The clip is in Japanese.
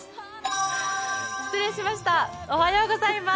失礼しました、おはようございます。